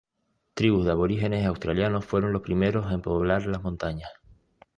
Tribus de aborígenes australianos fueron los primeros en poblar las montañas.